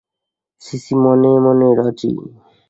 CC মনে মনে রাজি।